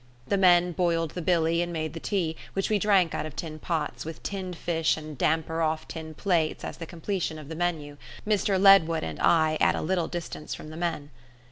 The men boiled the billy and made the tea, which we drank out of tin pots, with tinned fish and damper off tin plates as the completion of the menu, Mr Ledwood and I at a little distance from the men.